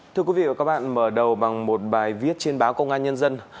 thưa quý vị và các bạn mở đầu bằng một bài viết trên báo công an nhân dân